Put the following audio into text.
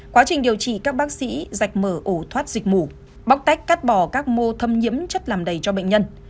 quá trình điều trị các bác sĩ dạch mở ổ thoát dịch mổ bóc tách cắt bỏ các mô thâm nhiễm chất làm đầy cho bệnh nhân